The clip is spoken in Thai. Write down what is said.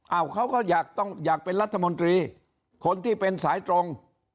เขาก็อยากต้องอยากเป็นรัฐมนตรีคนที่เป็นสายตรง